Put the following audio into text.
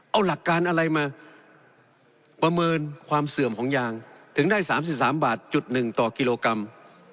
เอาหลักการอะไรมาประเมินความเสื่อมของยางถึงได้๓๓บาทจุด๑ต่อกิโลกรัม